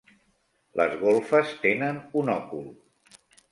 Les golfes tenen un òcul.